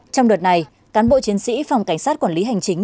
trong đợt này cán bộ chiến sĩ phòng cảnh sát quản lý hành chính